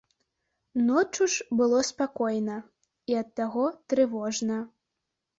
Ноччу ж было спакойна і ад таго трывожна.